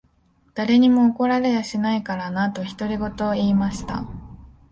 誰にも怒られやしないからな。」と、独り言を言いました。